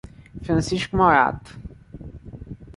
Francisco Morato